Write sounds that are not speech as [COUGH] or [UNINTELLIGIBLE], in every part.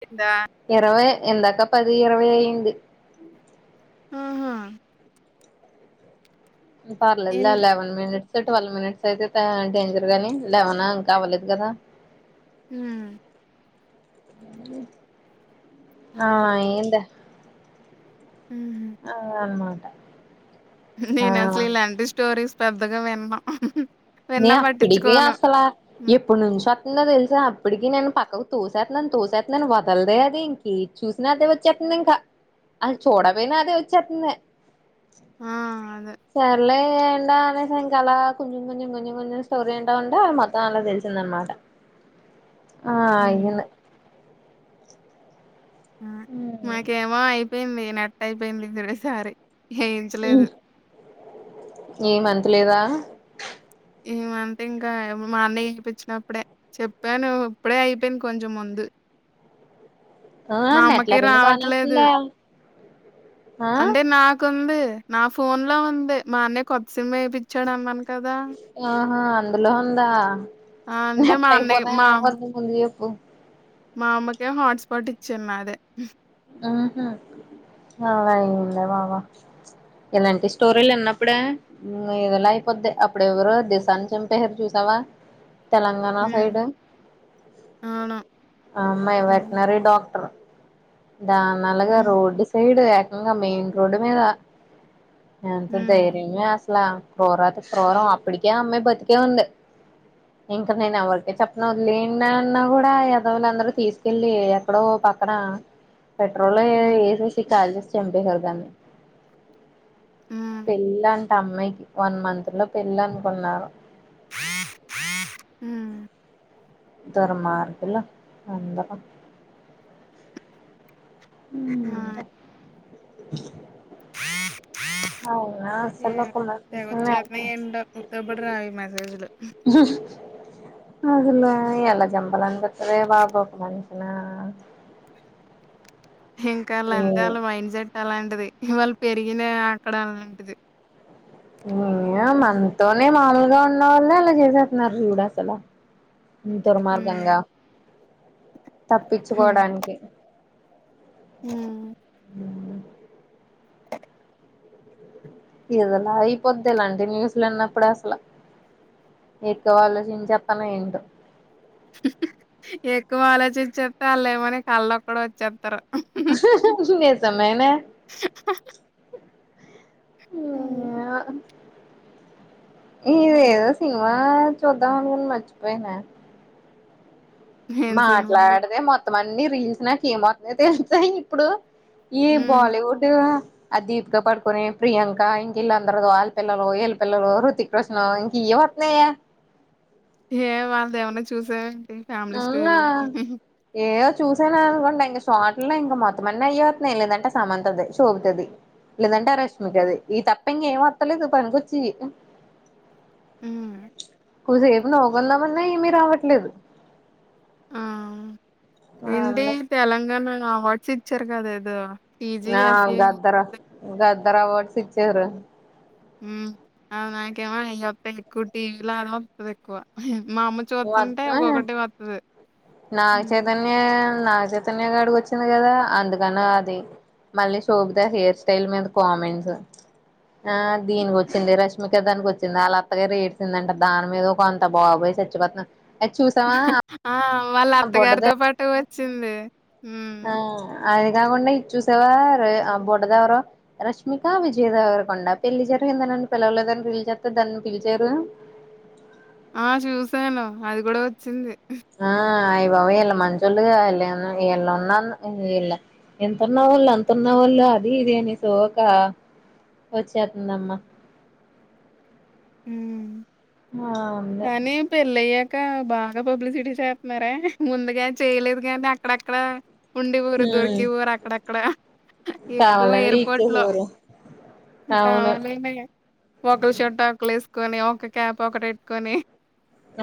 కిందా ఇరవై ఇందాక పది ఇరవై అయింది. హ్మ్ హా పర్లేద్ ఇన్ లే eleven minute sir twelve minutes అయితే త డేంజర్ గానీ లేవనా అంకా అవ్వలేదు కదా హ్మ్ ఆ ఏందా హ్మ్ ఆ అనమాట ఆ నేను అసలు ఇలాంటి స్టోరీస్ పెద్దగా విన్ను నే అప్పటికి అసలా హ్మ్. ఎప్పుడు నుంచో వస్తుందో తెలిసా అప్పటికి నేను ప తోసేత్నాను తోసేత్నాను వదలదే అది ఇంకేది చూసిన అదే వచ్చేతుంది ఇంకా అ చూడ బెయినా అదే వచ్చేతుంది ఆ అ సర్లే ఏ ఎండ అనేసింకా అలా కొంచెం కొంచెం కొంచెం కొంచెం స్టోరీ ఇంటా ఉంటే మొత్తం అలా తెలిసింద అనమాట ఆ హ్మ్. యిను ఆ మాకేమో అయిపోయింది నెట్ అయిపోయింది ఇదుడసారి ఏయించలేదు ఏం అంత లేదా ఈ మంత్ ఇంకా మా అన్నయ ఏపిచ్చినప్పుడే చెప్పాను ఇప్పుడే అయిపోయింది కొంచెం ముందు ఓ మా అమ్మకి నెట్లేపోయిన బానే రావట్లేదు. వస్తుందే ఆ అంటే నాకుంది నా ఫోన్ లో ఉంది మా అన్నయ్ కొత్త సిమ్ ఎపిచ్చాడు అన్నాన్ ఆహా అందులో ఉందా ఆ! అంటే నెట్ మా అన్నయ్య అయిపోతయ మా అవ్వదు ముందు జొప్పు మా అమ్మకే హాట్స్పాట్ ఇచ్చాన్ నాదే హ్మ్ హు వల్లయ్యిందే బాబు ఇలాంటి స్టోరీలు హ్మ్. ఇన్నప్పుడే ఏదోలా అయిపోద్ది అప్పుడెవరో దిసాని చంపేశారు చూసావా అ తెలంగాణ హ్మ్. సైడు అవును. ఆ అమ్మాయ్ హ్మ్. వెట్నరీ డాక్టర్ దాన్ని అలగా హ్మ్. రోడ్డు సైడ్ ఏకంగా మెయిన్ రోడ్డు మీద ఎంత హ్మ్. ధైర్యమే అసలా క్రోరాత క్రూరం అప్పటికే అమ్మాయి బతికే ఉంది ఇంక నేను ఎవరికి చెప్పను వదిలేయండి అని అన్నా కూడా ఎదవులు అందరు తీసుకెళ్ళి ఎక్కడో పక్కనా పెట్రోల్ ఏ హ్మ్. వేసేసి కాల్చేసి చంపేసారు దాన్ని హ్మ్. పెళ్ళంట అమ్మాయికి వన్ మంత్ లో పెళ్ళనుకున్నారు. హ్మ్. దూర్మార్గులు అందరు ఆ! హ్మ్ అవునా అసల్లో యాహ్! తెగొచ్చేతున్నాయి ఏంటో గుర్తుపడి రావు ఈ మెసేజ్‌లు. [UNINTELLIGIBLE] అసలు ఎలా జంపాలని అదే బాబు ఒక మనిషినా ఇంకా ఆల్లు అంతే ఏ ఆళ్ళ మైండ్ సెట్ అలాంటిది వాళ్ళు పెరిగిన అక్కడ అలాంటిది న హ్మ్. మనతోనే మామూలుగా ఉన్న వాళ్ళే అలా చేసేస్తున్నారు చూడ అసల హ్మ్. దుర్మార్గంగా తప్పించుకోవడానికి హ్ ఏదోలా అయిపోద్ది ఇలాంటి న్యూస్ వినపుడ్ అసలు ఎక్కువ ఆలోచించేతను ఏంటో ఎక్కువ ఆలోచించేస్తే ఆలు ఏమో నీ కలోకి కూడా వచ్చేస్తారు నేనే హ్మ్. ఏమో ఇది ఏదో సినిమా చూద్దామానుకుని మర్చిపోయినే ఏం సినిమా? మాట్లాడితే మొత్తం అన్ని రీల్స్ నాకు ఏంవత్సన్నాయో తెలుసా ఇప్పుడు ఈ హ్మ్. బాలీవుుడ్ అది దీపిక పడుకునే ప్రియాంక ఇంక ఇల్ళ అందరూ ఆళ్ పిల్లలు ఇల్ పల్లలు రుథిక్ రోషన్ ఇంక ఇయ్ వత్నయ్య ఏ వాళ్ళది ఏమన్నా చూసా అవునా ఏవో చూసానా అనుకోం లె ఇంక షార్ట్ లే ఇంకా మొత్తం అని అయ్యతున్నాయి లేదంటే సమంతది సోభితది లెదంటె రష్మికది ఈ తప్ప ఇంకా ఏం మత్తలేదు పనికొచ్చేయి ఉ కొద్సేపు నవ్వుకుందామన్న ఏమీ రావట్లేదు ఆ! ఆ ఏంటి ఉన్నాయి తెలంగాణ అవార్డ్స్ ఇచ్చారు కదా ఏదో ఆ గదర గదర్ అవార్డ్స్ ఇచ్చారు ఉ అ నాకేమ ఇయాప్ ఎక్కు టీవిలా ఆ ఎక్కువ మా అమ్మ చూస్తుంటే మొత్తం ఒక్కొక్కటి వస్తది నాగ చైతన్య నాగ చైతన్య గడు వచ్చిండ్ కదా అందుకని అది మళ్ళీ శోభితా హెయిర్ స్టైల్ మీద కామెంట్స్ ఆ దీనికి వచ్చింది రష్మిక దానికి వచ్చింది అలా అత్తగరు ఎడ్సింద అంట దాని మీద ఒక అంత బాబోయ్ చచ్చిపోతాను ఎ చూసావా ఆ! వాళ్ళ ఆ బుడ్డది అత్తగారితో పాటు వచ్చింది హ్మ్. ఆ అది కాకుండా ఇది చూసావా బుడ్డది ఎవరో ఆ బ రష్మిక విజయ దవరకొండ పెళ్ళి జర ఏందనండి పిలవలేదని రీల్ చేస్తే దాన్ని పిలిచారు ఆ చూశాను అది కూడా వచ్చింది ఆ అయి బాబోయ్ ఇళ్ళు మంచోళ్ళు ఇళ్ళు ఉన్నాను ఇళ్ళ వాళ్ళు అంతన్న వాళ్ళు అది ఇది అని సోక వచ్చేస్తుందమ్మా ఉ ఆ ఉంది కానీ పెళ్ళి అయక్ ఇంకా బాగా పబ్లిసిటీ చేస్తున్నారే ముందుగా చేయలేదు కానీ అక్కడక్కడ ఉండిఉరు దొరికిఉరు అక్కడక్కడ ఎక్కువ కావాలని లీక్ ఎయిర్పోర్ట్ లో చేసేవారు అవును కావాలనే ఒకళ షట్ ఒకళ వేసుకొని ఒక క్యాప్ ఒకటి పెట్టుకొని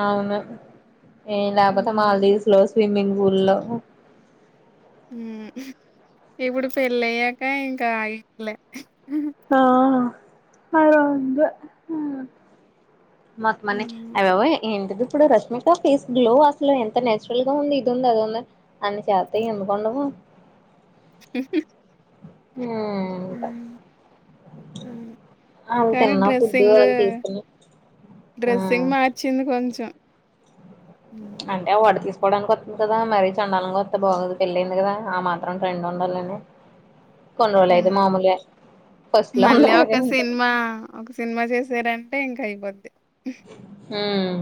అవును ఏ లేపోతే హ్మ్ మల్దీవ్స్ లో స్విమ్మింగ్ పూల్లో లో ఇప్పుడు పెళ్ళయ్యాక ఇంకా ఆ ఇల్లె ఆ అలఉంది మొత్తం అనీ హ్మ్ అయ్యబాబోయ్ ఏంటి ఇ ఇప్పుడు రష్మిక ఫేస్ గ్లో అసలు ఎంత నచురల్ గా ఉంది ఇది ఉంది అది ఉంది అని చేత ఎందుకుండవు అంత హ్మ్ హ్ వాళ్ళు కానీ తిన్న ఫుడ్ డ్రెస్సింగు వాళ్ళు తీసుకున్న ఉమ్ డ్రెస్సింగ్ మార్చింది కొంచం అంటే వాడు తీస్ కోడానికి వొత్తుంది కదా మరీ చండాలంగా వొత్తే బాగోదు పెళ్లియింది గదా ఆ మాత్రం ట్రెండ్ ఉండల్లని బ్లాంక్ హ్మ్ లో మళ్ళీ అందరూ ఇలాగే ఒక ఉంటారు సిన్మా ఒక సినిమా చేసార టేంక్ అయిపోద్ది హ్మ్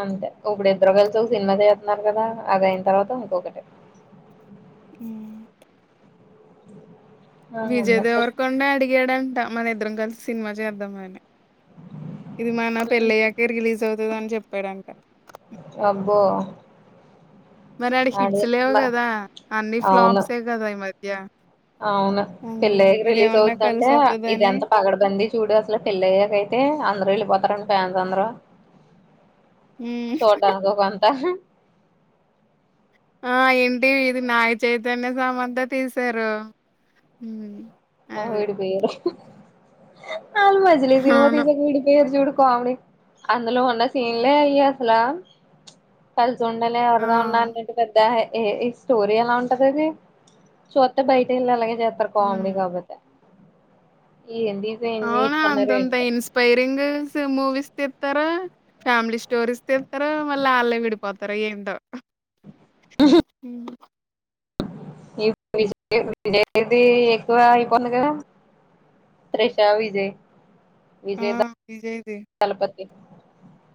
అంతే ఒకడు ఇద్దరు కలిసి ఒక సినిమా దీత్నారు గదా అది అయిన తర్వాత ఇంకొకటి హ్మ్ బ్లాంక్ విజయ్ దేవరకొండే అడిగాడంట మన ఇద్దరం కలిసి సినిమా చేద్దామని ఇది మన పెళ్ళయ్యాకే రిలీజ్ అవుతదని చెప్పాడంట అబ్బో మరి ఆడ అడి హిట్స్ లేవు మ కదా అన్ని అవును ఫ్లాప్సే కదా ఈ మధ్య అవును అందుకే పెళ్ళయ్యాక రిలీజ్ ఇదేమన్నా అవుద్దంటే కలిసి ఇది వత్తదని ఎంత పగడబంది చూడు అసలు పెళ్ళయ్యాక అయి తే అందరు వెళ్ళిపోతారని ఫ్యాన్స్ అందరు హ్మ్ చూడ్డానికి ఓ కొంత ఆ ఏంటి ఇది నాగ చైతన్య సమంత తీసారు ఆ విడి పోయారు ఆల్ మజిలీ సినిమా అవును. తీసాక విడిపోయారు జూడు కామెడీ అందులో ఉన్న సీన్లే అయి అసలా కల్ సి ఉండలేర్ ఆ! ఎవరిదో ఉండానికి ఇంటి పెద్ద ఆయే ఏ ఈ స్టోరీ ఎలా ఉంటది అది చూత్తే బయట ఎళ్ళి అలాగే జేత్తరు కామెడీ హ్మ్ గాబ ఏం అవునా నేర్చుకున్నారో అంతంత ఏంటో ఇన్స్పైరింగ్ సు మూవీస్ తిత్ తరు ఫ్యామిలీ స్టోరీస్ తీత్తరు మళ్ళీ వాళ్ళే విడిపోతరు ఏంటో హ్మ్ ఈ విజ [INAUDIBLE] విజయ్ ది ఎక్కువ అయిపోయింది కదా త్రిషా విజయ్ విజయ్ ద విజయ్ ది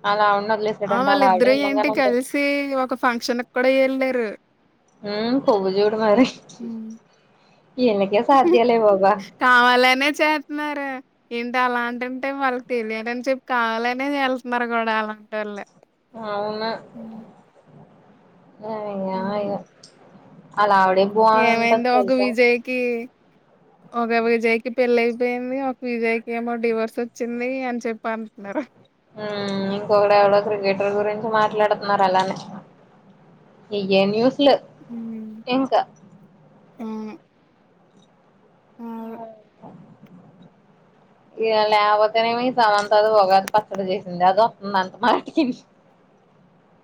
అలా ఉన్ ఆ వాళ్ళిద్దరే ఏంటి కలిసి ఒక ఫంక్షన్ కూడా ఎళ్లారు హ్మ్ పూవు జూడు మరి ఈళ్ళకే సాధ్యాలే బాబా కావలనే చేత్నారా ఏంటి అలాంటుంటే వాళ్ళకి తెలియదని చెప్పి కావాలనే వెళ్తున్నారు గూడా అలాంటోళ్లే అవునా యా యా హ్మ్. యో ఏమైందో ఒక తెలుసా విజయ్కి ఒక విజయ్కి పెళ్ళి అయిపోయింది ఒక విజయ్కి ఏమో డివోర్స్ వచ్చింది అని చెప్ హ్మ్ ఇంకొకడు ఎవడో క్రికెటర్ గురిం మాట్లాడుతున్నారు అలానే లు ఇంకా వును బ్లాంక్ ఇగ లేకపోతేనేమొ ఈ సమంతాది ఉగాది పచ్చడి చేసింది అది వొత్తుంది అంట మాటికి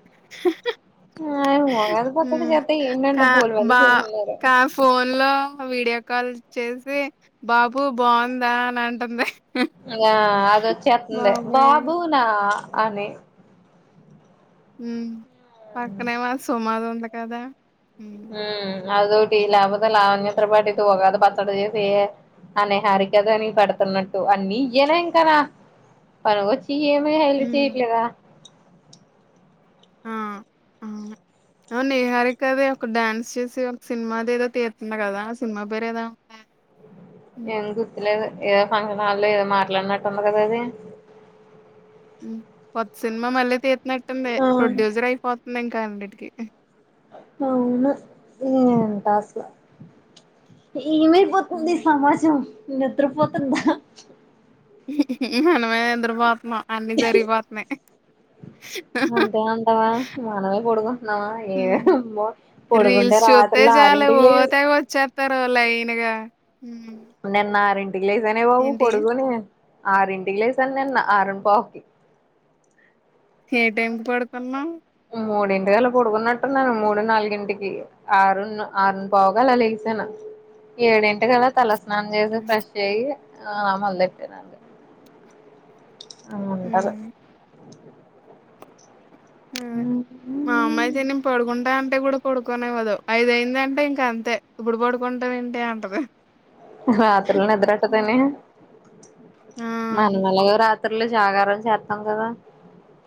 బ్లాంక్ [INAUDIBLE] ఆ ఉగాది పచ్చడి హ్మ్ చేత్తే ఏంటంట కా బోల్డు మళ్ళీ బా చేసున్నారు కా ఫోన్ లో వీడియో కాల్ చేసి బాబు బావుందా అని అంటంది. ఇంగా అదొచ్చేత్తుంది బాబునా అని హ్మ్ పక్కనే మా సుమాది ఉంది కదా హ్మ్ అదొటి లాపోతే ఆ లావణ్య త్రిపాఠి తో ఉగాది పచ్చడి చేసి ఆ నేహారిక గానీ పడుతున్నట్టు అన్నీ ఇయేన ఇంకాన ఇ ఏమో హెల్ప్ హ్మ్. చేయట్లేదా నిహరికది ఒక డాన్స్ చేసి ఒక సినిమాదేదో గదా తీత్తుంది కదా ఆ సినిమా పేరు ఏదో ఉందే ఏం గుర్తులేదు ఏదో ఫంక్షన్ హల్లో ఏదో మాట్లానట్టు ఉంది కదా అది మ్ కొత్త సినిమా మళ్ళీ తీత్నట్టుంది ఆ ప్రొడ్యూసర్ అయిపోతుంది ఇంకా అండిటికీ అవునా ఏంటస్లా ఏమైపోతుంది హ్మ్. ఈ సమాజం నిద్రపోతుందా మనమే నిద్రపోత్నం అన్ని జరిగిపోత్నయ్ అంతే అంటావా మనమే పొడుకుంటున్నామా ఏ హ్మ్. మ పొడుకుంటే రీల్స్ రా చూత్తే జాలే ఓ తెగ వచ్చేత్తారు లైన్ గా నిన్నా ఆరింటికి లేసానే బాబు ఏంటి? పడుకొని ఆరింటికి లేసాను నిన్న ఆరుమ్పావ్కి ఏ టైం కి పడుకున్నావ్ మూడింటికి అలా పడుకున్నట్టున్నాను మూడు నాలుగింటికి ఆరును ఆరున్ పావ్ కి అలా లెగిసాను ఏడింటికలా తల స్నం చేసి హ్మ్. ఫ్రెష్ అయ్ ఆ మళ్ళీ తినండి అంగుటది హ్మ్. మా అమ్మ ఐతే నేను పడుకుంటా అంటే గూడా పడుకోనివ్వదు ఐదు అయిందిందంటే ఇంక అంతే ఇప్పుడు పడుకుంటావ్ ఏంటె అంటది రాత్రిల్ నిద్రెట్టదని మనం ఆ! ఎలాగో రాత్రులు జాగారం చేత్తాం కదా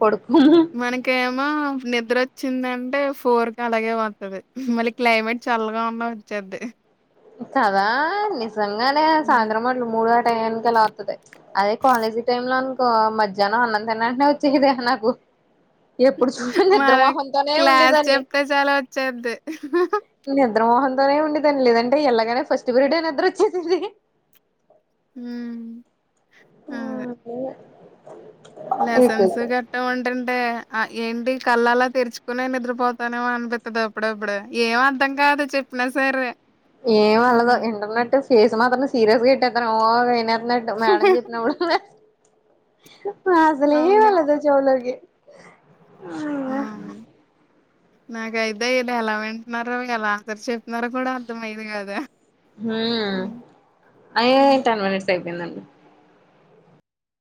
పడుకోం మనకేమో నిద్రొచ్చిందంటే ఫోర్కి అలాగే వొత్తది మళ్ళీ క్లైమేట్ చె చల్లగా ఉన్నా వచ్చేద్ది కాదా ని జంగానే హ్మ్. సాయంత్రం అట్లు మూడు ఆ టైయానికి అలా ఒత్తది అదే కాలేజీ టైం లో అన్ కో మధ్యాహ్నం అన్నం తినేంటనే వచ్చేసేదే నాకు ఎప్పుడు చూడు మన నిద్రమోహంతోనే క్లాస్ ఉండేదాన్ని చెప్తే చాలు వచ్చేద్ది. ని ద్రమోహమ్ తోనే ఉండేదన్నీ లేదంటే ఎల్లగానే ఫస్ట్ పిరడే నిద్ర వచ్చేసేది హ్మ్ అదే లసెన్స్ గట్టా ఉంటుంటే ఆ ఏంటి కళ్లు అలా తెరుచుకునే నిద్రపోతానేమో అన్పిత్తది అప్పుడప్పుడు ఏం అర్ధం కాదు చెప్ న సరే ఏం ఎల్లదు హ్మ్. ఇంటునట్టే ఫేస్ మాత్రం సీరియస్గా ఎట్టెతను ఓ వినే న్నట్టు మేడం చెప్పినప్పుడల్లా క్లాసులే అవును. వెళ్ళదు చెవులోకి అవును నాకైతే ఇదెలా వింటున్నారో ఎలా ఆన్సర్ చెత్నారో కూడా అర్థమయ్యేదిగాద హ్మ్ అయ్యో హ్మ్ టెన్ మినిట్స్ అయిపోయిందండి.